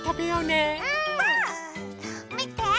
みて！